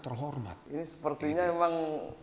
terhormat ini sepertinya memang